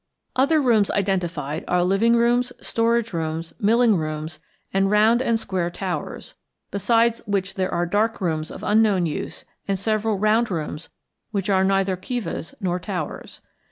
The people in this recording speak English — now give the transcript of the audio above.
Other rooms identified are living rooms, storage rooms, milling rooms, and round and square towers, besides which there are dark rooms of unknown use and several round rooms which are neither kivas nor towers.